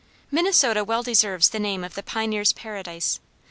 Minnesota well deserves the name of the pioneer's paradise.